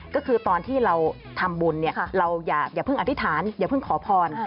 ก็คือตอนที่เราทำบุญเราอย่าเพิ่งอธิษฐานอย่าเพิ่งขอพร